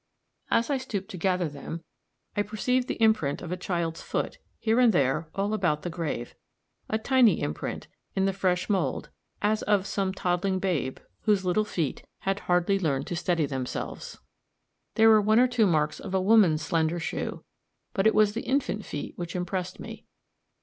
As I stooped to gather them, I perceived the imprint of a child's foot, here and there, all about the grave a tiny imprint, in the fresh mold, as of some toddling babe whose little feet had hardly learned to steady themselves. There were one or two marks of a woman's slender shoe; but it was the infant feet which impressed me.